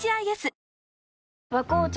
新「和紅茶」